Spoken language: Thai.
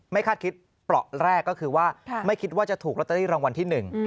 คาดคิดเปราะแรกก็คือว่าไม่คิดว่าจะถูกลอตเตอรี่รางวัลที่หนึ่ง